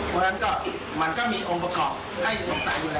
เพราะฉะนั้นก็มันก็มีองค์ประกอบให้สงสัยอยู่แล้ว